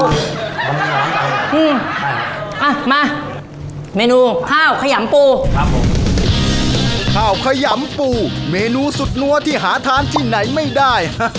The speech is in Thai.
อ่ะมาเมนูข้าวขยำปูครับผมข้าวขยำปูเมนูสุดรั้วที่หาทานที่ไหนไม่ได้